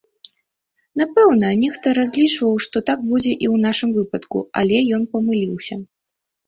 Напэўна, нехта разлічваў, што так будзе і ў нашым выпадку, але ён памыліўся.